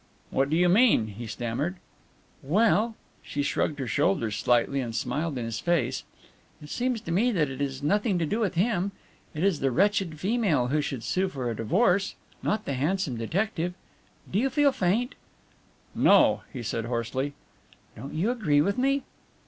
"What do you mean?" he stammered. "Well" she shrugged her shoulders slightly and smiled in his face "it seems to me that it is nothing to do with him. It is the wretched female who should sue for a divorce, not the handsome detective do you feel faint?" "No," he said hoarsely. "Don't you agree with me?"